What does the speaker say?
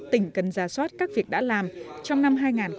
tỉnh cần ra soát các việc đã làm trong năm hai nghìn một mươi sáu